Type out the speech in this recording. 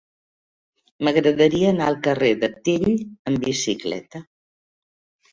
M'agradaria anar al carrer de Tell amb bicicleta.